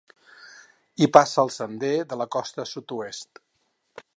Hi passa el sender de la Costa Sud-oest.